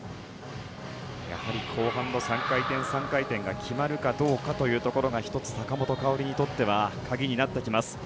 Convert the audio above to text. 後半の３回転、３回転が決まるかどうかが１つ、坂本花織にとっては鍵になってきます。